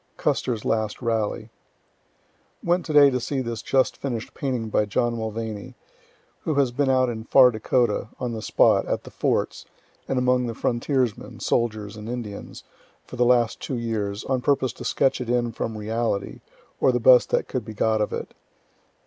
CUSTER'S LAST RALLY Went to day to see this just finish'd painting by John Mulvany, who has been out in far Dakota, on the spot, at the forts, and among the frontiersmen, soldiers and Indians, for the last two years, on purpose to sketch it in from reality, or the best that could be got of it.